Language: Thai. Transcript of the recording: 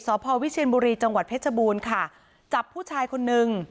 สพวิเชียนบุรีจังหวัดเพชรบูรณ์ค่ะจับผู้ชายคนนึง